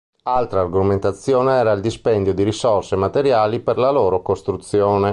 Altra argomentazione era il dispendio di risorse e materiali per la loro costruzione.